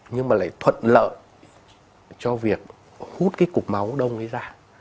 nhưng mà lại thuận lợi cho việc hút cái cục máu đông ấy ra